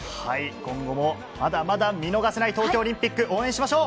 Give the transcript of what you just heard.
今後もまだまだ見逃せない東京オリンピック、応援しましょう。